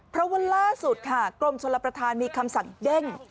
เพราะว่าล่าสุดค่ะกรมชลประธานมีคำสั่งเด้ง